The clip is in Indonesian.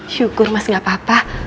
syukur mas gak apa apa